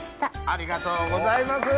ありがとうございます！